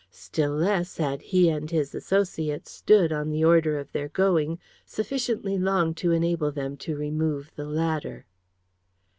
Still less had he and his associates stood on the order of their going sufficiently long to enable them to remove the ladder.